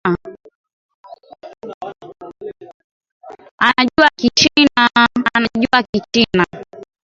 Anajua kichina